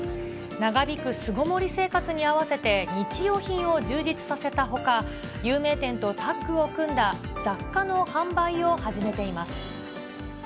長引く巣ごもり生活に合わせて、日用品を充実させたほか、有名店とタッグを組んだ雑貨の販売を始めています。